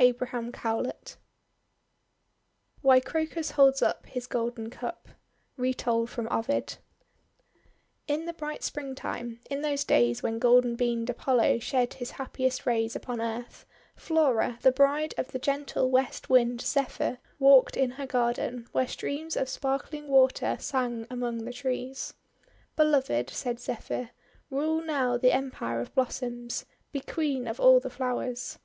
ABRAHAM COWLET WHY CROCUS HOLDS UP HIS GOLDEN CUP Retold from Ovid IN the bright Springtime, in those days when golden beamed Apollo shed his happiest rays upon Earth, Flora, the bride of the gentle West Wind, Zephyr, walked in her garden, where streams of sparkling water sang among the trees. "Beloved," said Zephyr, "rule now the Em pire of Blossoms! Be Queen of all the Flowers!'